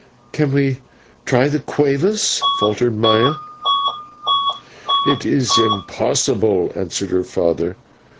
"Can we try the /cueva/?" faltered Maya. "It is impossible," answered her father.